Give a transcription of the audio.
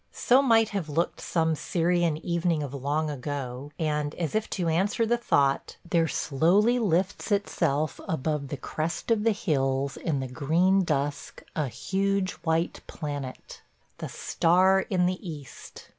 ... So might have looked some Syrian evening of long ago; and, as if to answer the thought, there slowly lifts itself above the crest of the hills, in the green dusk, a huge white planet – the Star in the East!